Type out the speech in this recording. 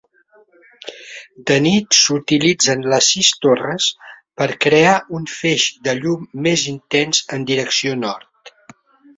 De nit s'utilitzen les sis torres per crear un feix de llum més intens en direcció nord.